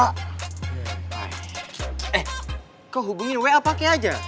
eh kok hubungin wa pake aja